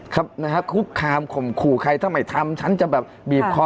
ครับนะฮะคุกคามข่มขู่ใครถ้าไม่ทำฉันจะแบบบีบคอ